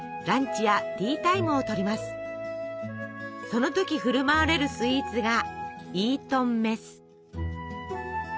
その時振る舞われるスイーツがイートンメス。